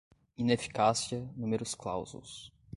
ineficácia, numerus clausus